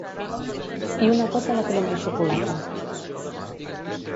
I una coca de crema i xocolata